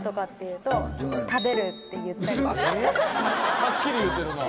はっきり言うてるな。